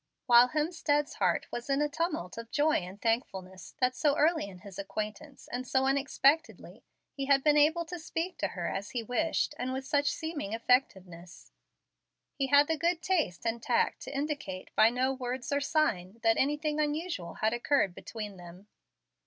While Hemstead's heart was in a tumult of joy and thankfulness that so early in his acquaintance, and so unexpectedly, he had been able to speak to her as he wished and with such seeming effectiveness, he had the good taste and tact to indicate by no words or sign that anything unusual had occurred between them.